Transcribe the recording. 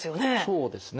そうですね。